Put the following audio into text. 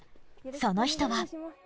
その人は。